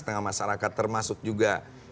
tengah masyarakat termasuk juga